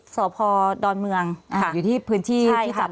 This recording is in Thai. เสาพอดอนเมืองค่ะอยู่ที่พื้นที่